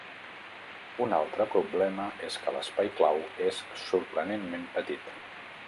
Un altre problema és que l'espai clau és sorprenentment petit.